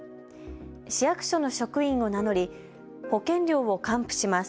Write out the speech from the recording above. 市役所の職員を名乗り、保険料を還付します。